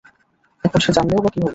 এখন সে জানলেও বা কী হবে?